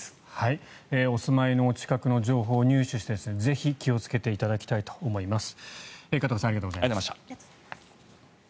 お住まいのお近くの情報を入手してぜひ、気をつけていただきたいと思います。